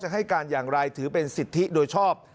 ให้การอย่างไรถือเป็นสิทธิโดยชอบ